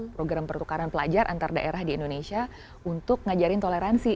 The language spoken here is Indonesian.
program pertukaran pelajar antar daerah di indonesia untuk ngajarin toleransi